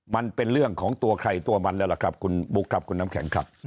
มันเป็นเรื่องของตัวใครตัวมันแล้วล่ะครับคุณบุ๊คครับคุณน้ำแข็งครับ